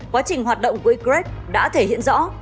quá trình hoạt động của ygrec đã thể hiện rõ